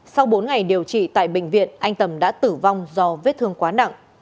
sau bốn ngày điều trị tại bệnh viện anh tầm đã tử vong do vết thương quá nặng